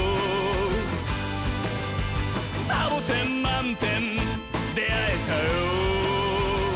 「サボテンまんてんであえたよ」